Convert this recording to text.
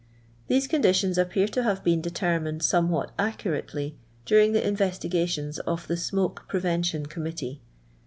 These conditions appear to have been determined somewhat accurately during the inves tigations of the Smoke Prevention Committee.